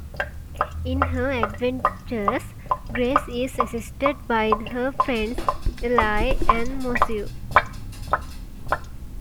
In her adventures, Grace is assisted by her friends Ellie and Masou.